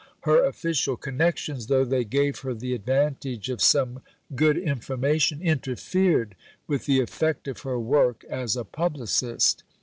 Her official connections, though they gave her the advantage of some good information, interfered with the effect of her work as a publicist.